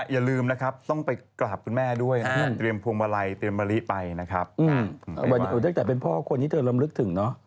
อย่าลืมนะครับต้องไปกราบคุณแม่ด้วยเตรียมพวงวะไลเป็นวันได้ตั้งแต่เป็นพ่อควรที่เธอร่ำลึกถึงเนอะ